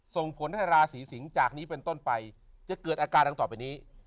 ส่งผลให้ราศีสิงศ์จากนี้เป็นต้นไปจะเกิดอาการดังต่อไปนี้